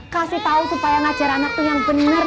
kasih tau supaya ngajar anak tuh yang bener